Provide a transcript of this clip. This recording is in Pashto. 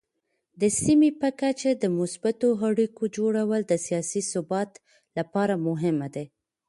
د سیمې په کچه د مثبتو اړیکو جوړول د سیاسي ثبات لپاره مهم دي.